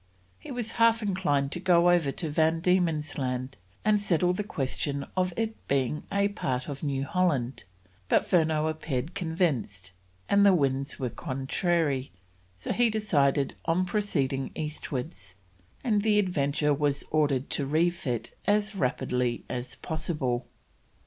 He was half inclined to go over to Van Diemen's Land and settle the question of its being a part of New Holland, but Furneaux appeared convinced, and the winds were contrary, so he decided on proceeding eastwards, and the Adventure was ordered to refit as rapidly as possible.